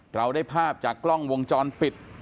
เราได้ภาพจากกล้องวงจรปิด